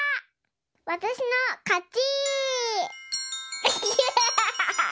わたしのかち！